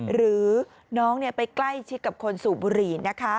หรือน้องไปใกล้ชิดกับคนสูบบุหรี่นะคะ